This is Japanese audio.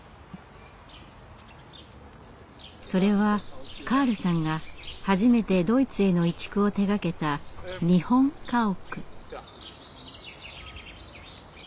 それはカールさんが初めてドイツへの移築を手がけた日本家屋。